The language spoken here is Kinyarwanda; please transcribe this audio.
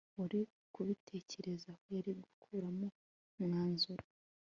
wari kubitekerezaho yari gukuramo umwanzuro